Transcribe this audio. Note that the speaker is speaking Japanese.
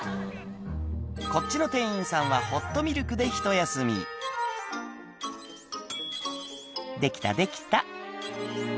こっちの店員さんはホットミルクでひと休み「できたできた」